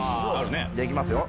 じゃあいきますよ。